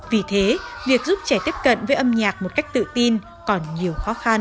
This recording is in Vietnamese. vì thế việc giúp trẻ tiếp cận với âm nhạc một cách tự tin còn nhiều khó khăn